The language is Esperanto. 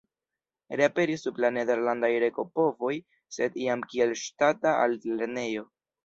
Reaperis sub la nederlandaj regopovoj, sed jam kiel ŝtata altlernejo.